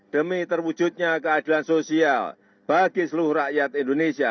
demi terwujudnya keadilan sosial bagi seluruh rakyat indonesia